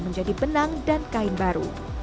menjadi benang dan kain baru